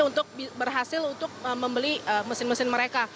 untuk berhasil untuk membeli mesin mesin mereka